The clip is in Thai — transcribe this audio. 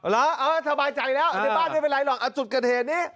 เออสบายใจแล้วในบ้านไม่เป็นไรหรอกจุดเกิดเหตุนี้